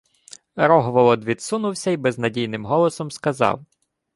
Рогволод відсунувся й безнадійним голосом сказав: